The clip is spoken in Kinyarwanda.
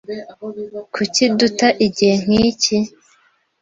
Kuki duta igihe nkiki?